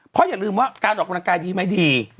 เพราะอย่าลืมว่าการออกกำลังกายดีไม่ดี